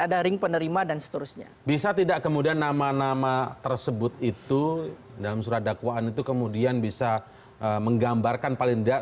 ada ring penerima dan seterusnya bisa tidak kemudian nama nama tersebut itu dalam surat dakwaan